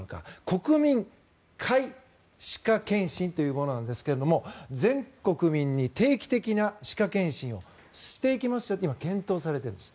国民皆歯科健診というものなんですが全国民に定期的な歯科健診をしていきますよと今、検討されているんです。